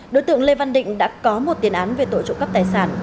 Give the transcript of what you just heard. đối tượng lê văn định đã có một tiền án về tội trộm cắp tài sản